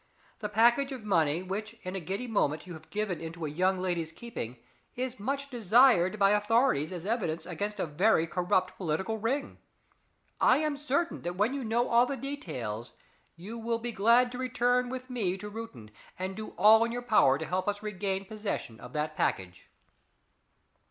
The package of money which in a giddy moment you have given into a young lady's keeping is much desired by the authorities as evidence against a very corrupt political ring. I am certain that when you know all the details you will be glad to return with me to Reuton and do all in your power to help us regain possession of that package."